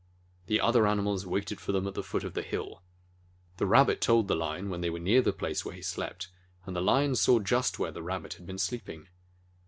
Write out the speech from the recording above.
The other animals waited for them at the foot of the hill. The Rabbit told the Lion when they were near the place where he slept, and the Lion saw just where the Rabbit had been sleeping.